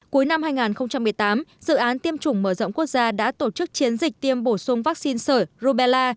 cuối năm hai nghìn một mươi tám dự án tiêm chủng mở rộng quốc gia đã tổ chức chiến dịch tiêm bổ sung vaccine sởi rubella